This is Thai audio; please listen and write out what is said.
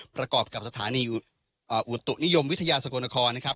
ประกอบกับสถานีอุตุนิยมวิทยาสกลนครนะครับ